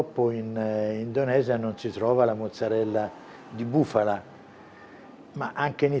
pada indonesia mozarella bufala tidak ada